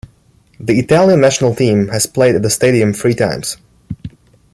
The Italian national team has played at the stadium three times.